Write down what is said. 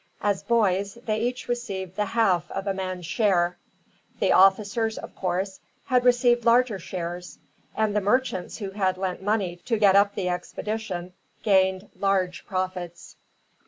As boys, they each received the half of a man's share. The officers, of course, had received larger shares; and the merchants who had lent money to get up the expedition gained large profits.